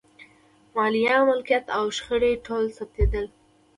مالیه، ملکیت او شخړې ټول ثبتېدل.